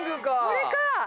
これか。